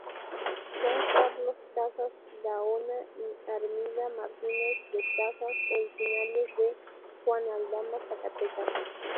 Juan Carlos Casas Gaona y Armida Martínez de Casas, originarios de Juan Aldama, Zacatecas.